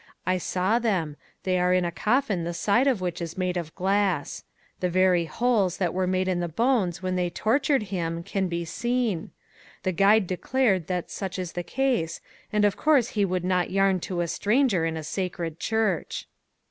I saw them. They are in a coffin the side of which is made of glass. The very holes that were made in the bones when they tortured him can be seen. The guide declared that such is the case and of course he would not yarn to a stranger in a sacred church.